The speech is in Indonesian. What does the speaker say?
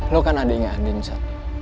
lo kan adiknya andin sa